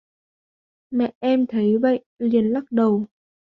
mẹ em thấy vậy thì liền lắc đầu